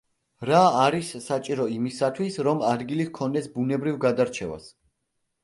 რა არის საჭირო იმისათვის, რომ ადგილი ჰქონდეს, ბუნებრივ გადარჩევას.